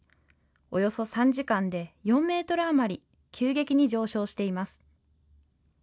およそ３時間で、４ｍあまり急激に上昇しています。